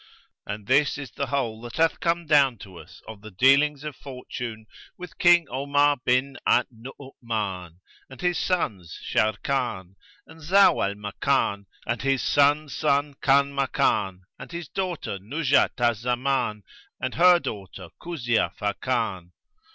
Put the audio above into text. And this is the whole that hath come down to us of the dealings of fortune with King Omar bin al Nu'uman and his sons Sharrkan and Zau al Makan and his son's son Kanmakan and his daughter Nuzhat al Zaman and her daughter Kuzia Fakan.